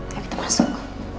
yuk kita masuk